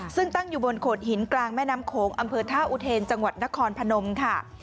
ซึ่งตั้งอยู่บนโขดหินกลางแม่น้ำโขงอำเภอท่าอุเทนจังหวัดนครพนมค่ะ